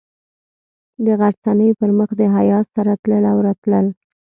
د غرڅنۍ پر مخ د حیا سره تلل او راتلل.